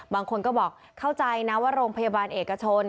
บางคนก็บอกเข้าใจนะว่าโรงพยาบาลเอกชน